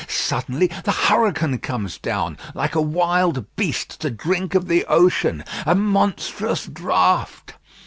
Suddenly the hurricane comes down, like a wild beast, to drink of the ocean: a monstrous draught!